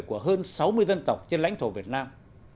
của hơn sáu mươi dân tộc trên lãnh thổ việt nam